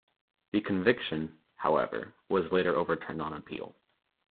The conviction, however, was later overturned on appeal.